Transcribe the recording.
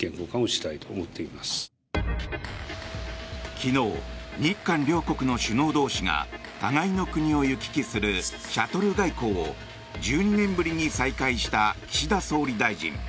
昨日、日韓両国の首脳同士が互いの国を行き来するシャトル外交を１２年ぶりに再開した岸田総理大臣。